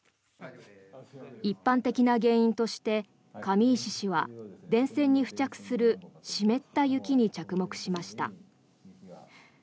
一般的な原因として上石氏は電線に付着する湿った雪に着目しました。